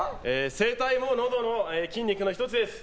声帯も、のどの筋肉の１つです。